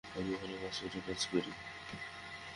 আমি ওখানে পাসপোর্টের কাজ করি।